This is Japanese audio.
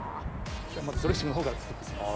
まずドレッシングのほうから作って行きます。